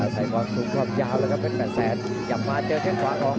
เสียงดังฟังแชทเหลือเกินครับ